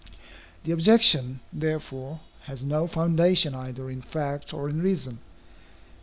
The objection, therefore, has no foundation either in fact or in reason.